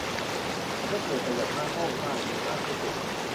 ฉันได้เปลี่ยนไปอย่างมาก โอ้ มากถึงมากที่สุด